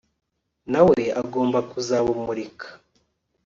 nawe agomba kuzabumurika